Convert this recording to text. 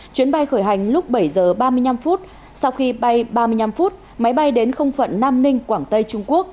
chuyến bay khởi hành lúc bảy giờ ba mươi năm phút sau khi bay ba mươi năm phút máy bay đến không phận nam ninh quảng tây trung quốc